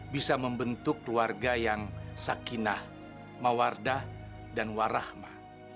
bisa membentuk keluarga yang sakinah mawardah dan warahma